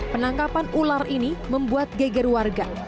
penangkapan ular ini membuat geger warga